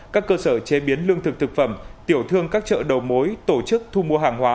các cơ sở chế biến lương thực thực phẩm tiểu thương các chợ đầu mối tổ chức thu mua hàng hóa